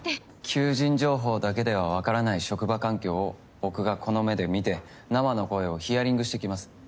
求人情報だけではわからない職場環境を僕がこの目で見て生の声をヒアリングしてきます。